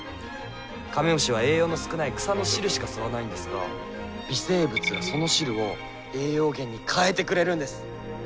カメムシは栄養の少ない草の汁しか吸わないんですが微生物がその汁を栄養源に変えてくれるんです。